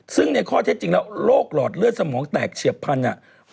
ซึ่งในข้อเท็จจริงแล้วโรคหลอดเลือดสมองแตกเฉียบพันธุ์